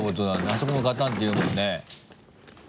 あそこもガタン！っていうもんね。